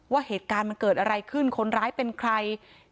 ว่าเหตุการณ์มันเกิดอะไรขึ้นคนร้ายเป็นใคร